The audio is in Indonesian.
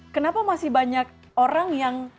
kenapa masih banyak orang yang